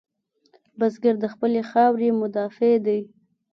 بزګر د خپلې خاورې مدافع دی